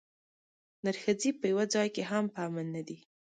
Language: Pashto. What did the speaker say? نرښځي په یوه ځای کې هم په امن نه دي.